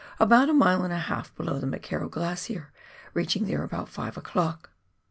about a mile and a half below the McKerrow Glacier, reaching there about 5 o'clock.